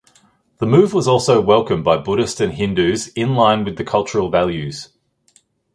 The move was also welcomed by Buddhists and Hindus inline with the cultural values.